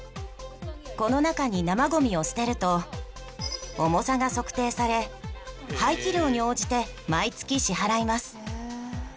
この中に生ゴミを捨てると重さが測定され廃棄量に応じて毎月支払います。